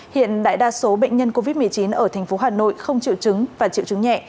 hiện đại đa số bệnh nhân covid một mươi chín ở thành phố hà nội không triệu chứng và triệu chứng nhẹ